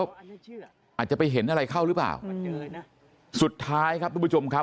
อาจจะไปเห็นอะไรเข้าหรือเปล่าสุดท้ายครับทุกผู้ชมครับ